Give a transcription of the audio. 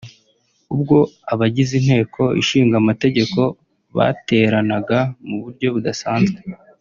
ubwo abagize Inteko ishinga Amategeko bateranaga mu buryo budasanzwe